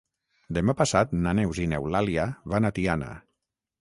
Demà passat na Neus i n'Eulàlia van a Tiana.